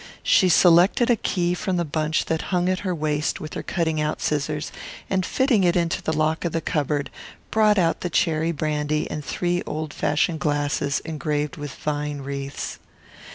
She selected a key from the bunch that hung at her waist with her cutting out scissors, and fitting it into the lock of the cupboard, brought out the cherry brandy and three old fashioned glasses engraved with vine wreaths.